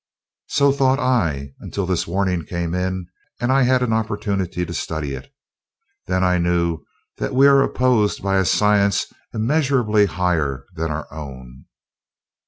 "So thought I until this warning came in and I had an opportunity to study it. Then I knew that we are opposed by a science immeasurably higher than our own."